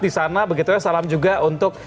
di sana begitu ya salam juga untuk